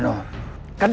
yang lebih baik adalah